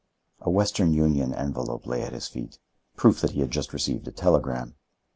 A Western Union envelope lay at his feet,—proof that he had just received a telegram.